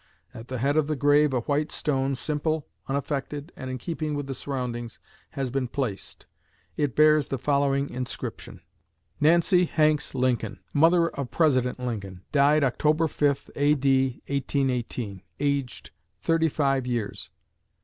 At the head of the grave a white stone, simple, unaffected, and in keeping with the surroundings, has been placed. It bears the following inscription: NANCY HANKS LINCOLN, MOTHER OF PRESIDENT LINCOLN, DIED OCTOBER 5, A.D. 1818. AGED THIRTY FIVE YEARS.